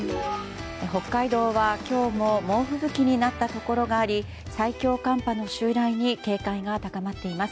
北海道は、今日も猛吹雪になったところがあり最強寒波の襲来に警戒が高まっています。